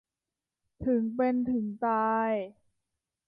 ถึงเป็นถึงตาย